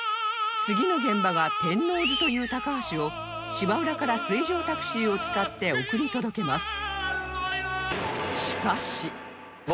次の現場が天王洲という高橋を芝浦から水上タクシーを使って送り届けます